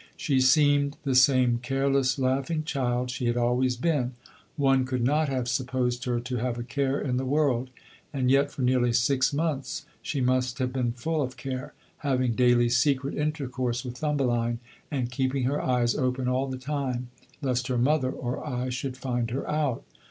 She seemed the same careless, laughing child she had always been; one could not have supposed her to have a care in the world, and yet, for nearly six months she must have been full of care, having daily secret intercourse with Thumbeline and keeping her eyes open all the time lest her mother or I should find her out.